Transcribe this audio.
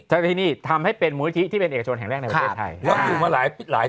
จากที่นี่ทำให้เป็นมูลทิศที่เป็นเอกชนแห่งแรกในประเทศไทยครับแล้วอยู่มาหลายปีแล้ว